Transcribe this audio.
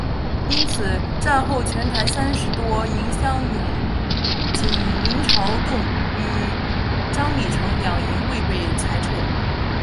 因此战后全台三十多营乡勇仅林朝栋与张李成两营未被裁撤。